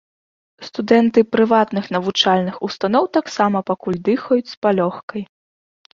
Студэнты прыватных навучальных устаноў таксама пакуль дыхаюць з палёгкай.